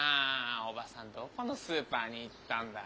おばさんどこのスーパーに行ったんだ？